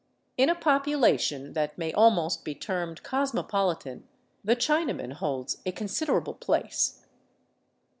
In a population that may almost be termed cosmopolitan, the Chinaman holds a considerable place.